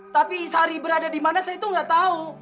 tapi sari berada dimana saya tuh gak tahu